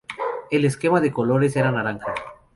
El esquema de colores era naranja.